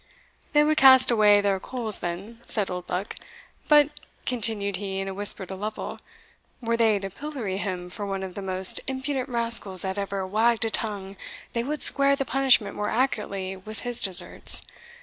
"They would cast away their coals then," said Oldbuck; "but," continued he, in a whisper to Lovel, "were they to pillory him for one of the most impudent rascals that ever wagged a tongue, they would square the punishment more accurately with his deserts.